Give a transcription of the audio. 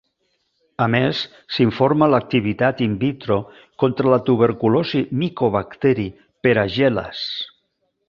A més, s'informa l'activitat in vitro contra la tuberculosi Micobacteri per Agelas.